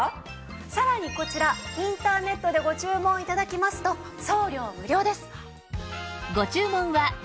さらにこちらインターネットでご注文頂きますと送料無料です。